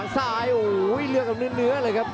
จริงครับ